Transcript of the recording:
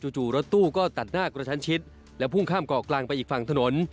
จู่รถตู้ก็ตัดหน้ากระชั้นชิดและพุ่งข้ามเกาะกลางไปอีกฝั่งถนน